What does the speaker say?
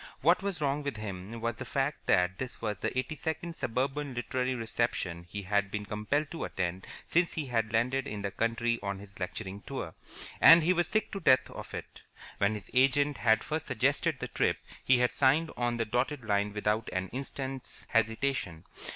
What was wrong with him was the fact that this was the eighty second suburban literary reception he had been compelled to attend since he had landed in the country on his lecturing tour, and he was sick to death of it. When his agent had first suggested the trip, he had signed on the dotted line without an instant's hesitation.